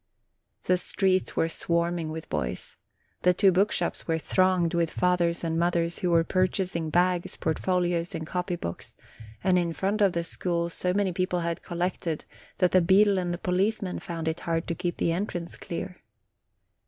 The streets were swarming with boys: the two book shops were thronged with fathers and mothers who were purchasing bags, portfolios, and copy books, and in front of the school so many people had collected, that the beadle and the policeman found it har.d to 2 OCTOBER keep the entrance clear.